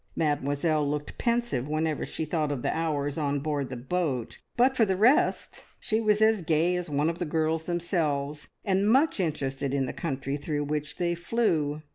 Mademoiselle looked pensive whenever she thought of the hours on board the boat, but for the rest she was as gay as one of the girls themselves, and much interested in the country through which they flew.